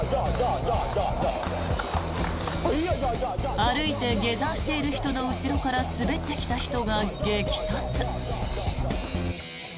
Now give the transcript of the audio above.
歩いて下山している人の後ろから滑ってきた人が激突。